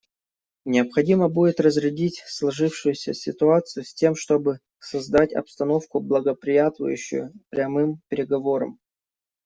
Необходимо будет разрядить сложившуюся ситуацию, с тем чтобы создать обстановку, благоприятствующую прямым переговорам.